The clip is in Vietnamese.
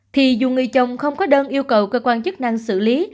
thì dù người chồng không có đơn yêu cầu cơ quan chức năng xử lý